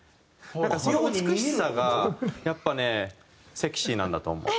なんかその美しさがやっぱねセクシーなんだと思う。